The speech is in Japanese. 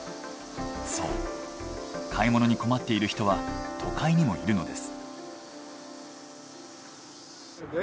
そう買い物に困っている人は都会にもいるのです。